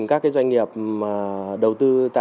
à cứ nhầm mệnh giá